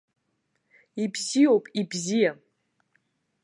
Ибзиоуп, ибзиа.